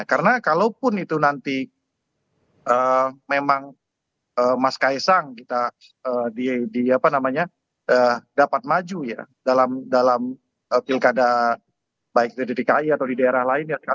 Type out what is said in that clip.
karena kalau pun itu nanti memang mas kaesang kita di apa namanya dapat maju ya dalam dalam pilkada baik itu di dki atau di daerah lain ya